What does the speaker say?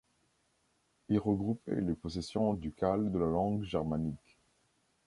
Il regroupait les possessions ducales de langue germanique.